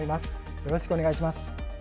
よろしくお願いします。